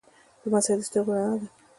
لمسی د سترګو رڼا ده.